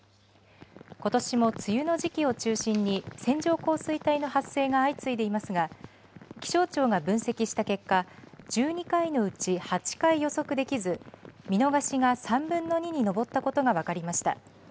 ことしも梅雨の時期を中心に、線状降水帯の発生が相次いでいますが、気象庁が分析した結果、１２回のうち８回予測できず、見逃しが３分の２に上ったことが分かりました。